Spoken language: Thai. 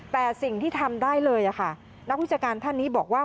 แต่สิ่งที่ทำได้เลยค่ะนักวิชาการท่านนี้บอกว่า